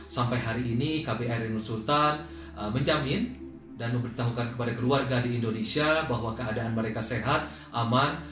sampai hari ini kbri sultan menjamin dan memberitahukan kepada keluarga di indonesia bahwa keadaan mereka sehat aman